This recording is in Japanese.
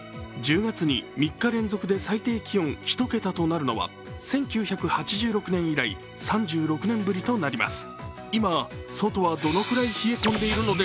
１０月に３日連続で最低気温１桁となるのは１９８６年以来、３６年ぶりとなります。